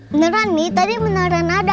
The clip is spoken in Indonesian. beneran nih tadi beneran ada